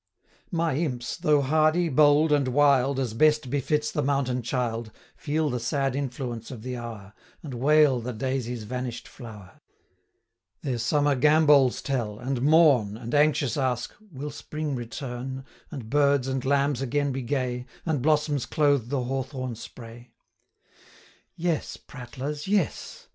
My imps, though hardy, bold, and wild, As best befits the mountain child, Feel the sad influence of the hour, And wail the daisy's vanish'd flower; 40 Their summer gambols tell, and mourn, And anxious ask, Will spring return, And birds and lambs again be gay, And blossoms clothe the hawthorn spray? Yes, prattlers, yes.